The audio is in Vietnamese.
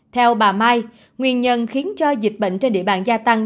theo bà mai nguyên nhân khiến cho dịch bệnh trên địa bàn gia tăng